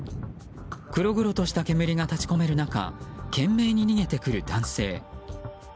黒々とした煙が立ち込める中懸命に逃げてくる男性。